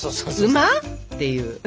「馬？」っていう。